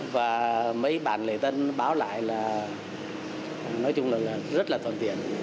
và mấy bạn lễ tân báo lại là nói chung là rất là toàn tiện